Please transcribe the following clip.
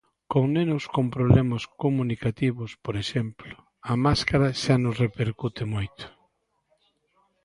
Con nenos con problemas comunicativos, por exemplo, a máscara xa nos repercute moito.